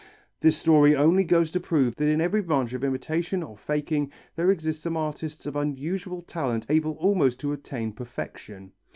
This story only goes to prove that in every branch of imitation or faking there exist some artists of unusual talent able almost to attain perfection.